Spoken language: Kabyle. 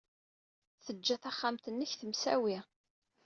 Ttajja taxxamt-nnek temsawi.